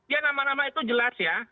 ya nama nama itu jelas ya